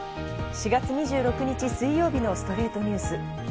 ４月２６日、水曜日の『ストレイトニュース』。